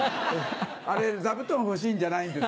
あれ座布団欲しいんじゃないんです。